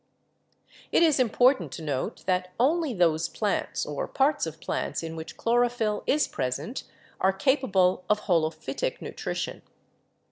"It is important to note that only those plants or parts of plants in which chlorophyll is present are capable of ORGANIC FUNCTIONS 105 holophytic nutrition.